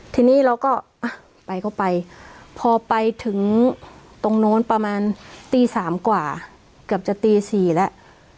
ทีนี้เราก็อ่ะไปก็ไปพอไปถึงตรงโน้นประมาณตี๓กว่าเกือบจะตี๔แล้ว